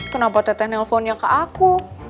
kenapa tetengnya yang ke aku